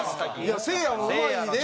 いやせいやもうまいで？